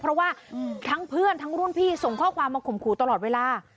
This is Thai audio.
เพราะว่าทั้งเพื่อนทั้งรุ่นพี่ส่งข้อความมาข่มขู่ตลอดเวลา